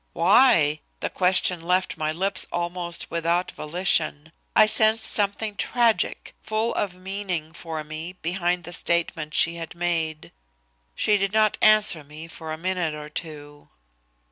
"Why?" The question left my lips almost without volition. I sensed something tragic, full of meaning for me behind the statement she had made. She did not answer me for a minute or two.